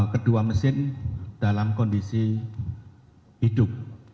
kedua mesin dalam kondisi hidup